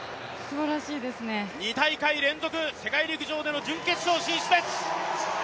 ２大会連続世界陸上での準決勝進出です。